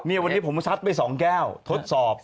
เนี่ยวันนี้ผมซัดไปสองแก้วทดสอบ